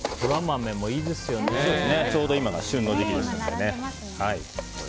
ちょうど今が旬の時期です。